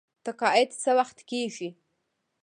تقاعد څه وخت کیږي؟